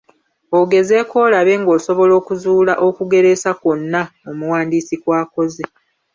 Ogezeeko olabe ng'osobola okuzuula okugereesa kwonna omuwandiisi kw'akoze.